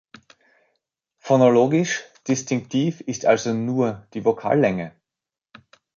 Phonologisch distinktiv ist also nur die Vokallänge.